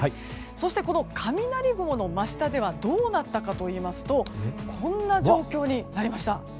そして、この雷雲の真下ではどうなったかといいますとこんな状況になりました。